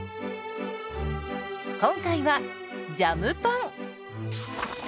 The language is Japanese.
今回はジャムパン。